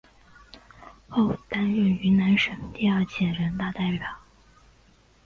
后担任云南省第二届人大代表。